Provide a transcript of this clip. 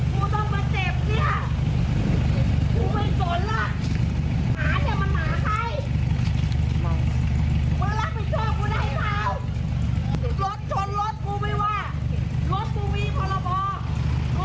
กูต้องมาเจ็บเนี่ย